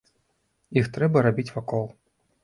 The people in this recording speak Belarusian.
Іх трэба рабіць вакол.